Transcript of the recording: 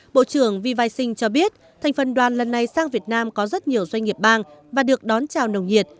bộ trưởng vivasing cho biết thành phần đoàn lần này sang việt nam có rất nhiều doanh nghiệp bang và được đón chào nồng nhiệt